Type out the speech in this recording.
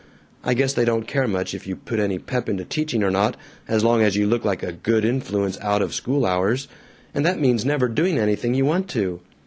I guess they don't care much if you put any pep into teaching or not, as long as you look like a Good Influence out of school hours and that means never doing anything you want to.